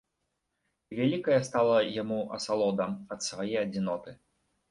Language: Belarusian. І вялікая стала яму асалода ад свае адзіноты.